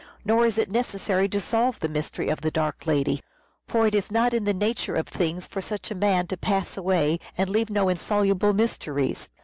Nor is it necessary to solve the mystery of the dark lady : for it is not in the nature of things for such a man to pass away and leave no insoluble mysteries.